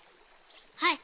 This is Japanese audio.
はい。